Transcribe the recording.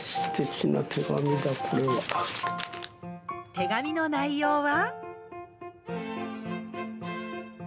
手紙の内容は。